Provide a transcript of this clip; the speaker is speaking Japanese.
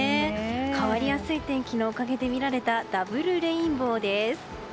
変わりやすい天気のおかげで見られたダブルレインボーです。